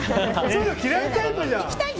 嫌いタイプじゃん。